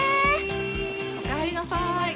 おかえりなさい。